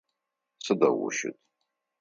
Сыдэу ущыт?